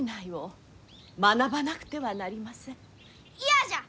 嫌じゃ！